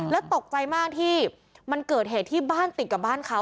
แล้วตกใจมากที่มันเกิดเหตุที่บ้านติดกับบ้านเขา